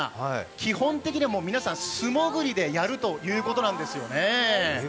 基本的には皆さん素潜りでやるということなんですよね。